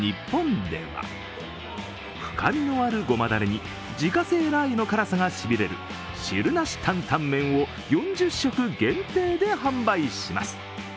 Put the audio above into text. ＮＩＰＰＯＮでは深みのあるごまだれに自家製ラー油の辛さがしびれる汁なし担々麺を４０食限定で販売します。